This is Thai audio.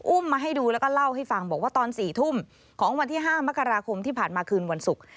มาให้ดูแล้วก็เล่าให้ฟังบอกว่าตอน๔ทุ่มของวันที่๕มกราคมที่ผ่านมาคืนวันศุกร์